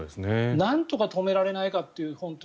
なんとか止められないかっていう。